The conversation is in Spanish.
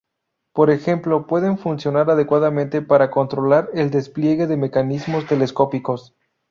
Por ejemplo, pueden funcionar adecuadamente para controlar el despliegue de mecanismos telescópicos.